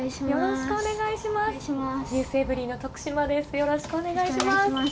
よろしくお願いします。